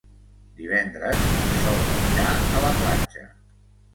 Divendres en Sol anirà a la platja.